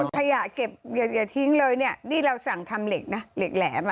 ขยะเก็บอย่าทิ้งเลยเนี่ยนี่เราสั่งทำเหล็กนะเหล็กแหลม